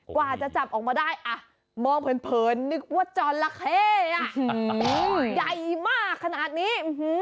กว่าจะจับออกมาได้มองเผินนึกว่าจอละเข้ใหญ่มากขนาดนี้